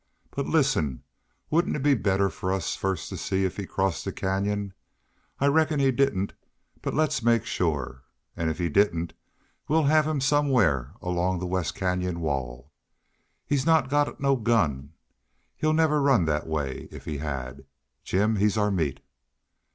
"But listen! Wouldn't it be better for us first to see if he crossed the canyon? I reckon he didn't. But let's make sure. An' if he didn't we'll have him somewhar along that west canyon wall. He's not got no gun. He'd never run thet way if he had.... Jim, he's our meat!"